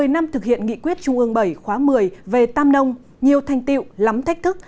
một mươi năm thực hiện nghị quyết trung ương bảy khóa một mươi về tam nông nhiều thanh tiệu lắm thách thức